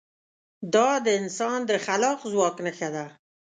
دا د انسان د خلاق ځواک نښه ده.